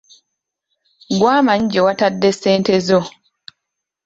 Gwe amanyi gye watadde ssente zo.